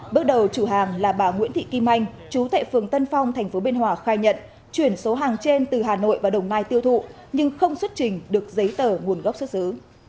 bước đầu chủ hàng là bà nguyễn thị kim anh chú tại phường tân phong tp biên hòa khai nhận chuyển số hàng trên từ hà nội vào đồng nai tiêu thụ nhưng không xuất trình được giấy tờ nguồn gốc xuất xứ